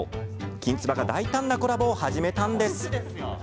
きんつばが大胆なコラボを始めたんです。